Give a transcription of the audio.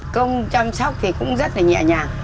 công chăm sóc thì cũng rất là nhẹ nhàng